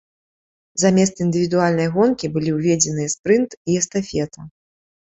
Замест індывідуальнай гонкі былі ўведзеныя спрынт і эстафета.